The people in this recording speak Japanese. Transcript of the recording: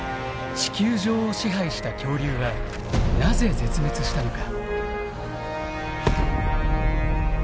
地球上を支配した恐竜はなぜ絶滅したのか。